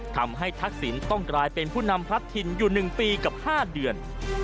ทักษิณต้องกลายเป็นผู้นำพลัดถิ่นอยู่๑ปีกับ๕เดือน